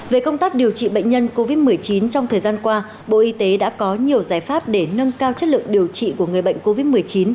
về công tác điều trị bệnh nhân covid một mươi chín trong thời gian qua bộ y tế đã có nhiều giải pháp để nâng cao chất lượng điều trị của người bệnh covid một mươi chín